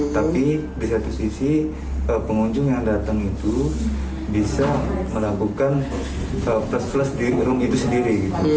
tapi di satu sisi pengunjung yang datang itu bisa melakukan plus plus di room itu sendiri